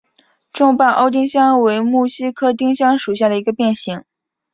重瓣欧丁香为木犀科丁香属下的一个变型。